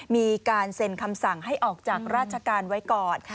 มีการเซ็นคำสั่งให้ออกจากราชการไว้ก่อน